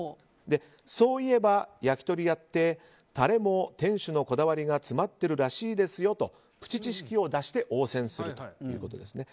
そういえば、焼き鳥屋ってタレも店主のこだわりが詰まってるらしいですよとプチ知識を出して応戦するということですね。